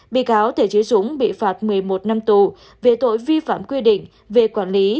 bị cáo thể chế dũng bị phạt một mươi một năm tù về tội vi phạm quy định về quản lý